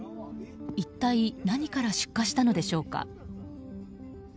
一体何から出火したのでしょうか。